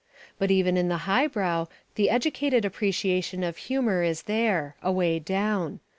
But even in the highbrow the educated appreciation of humour is there away down.